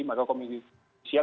maka komisi judisial